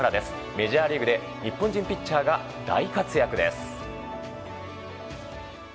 メジャーリーグで日本人ピッチャーが大活躍です。